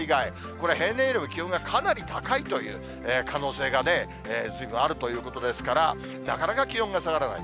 これ、平年よりも気温がかなり高いという可能性がね、ずいぶんあるということですから、なかなか気温が下がらない。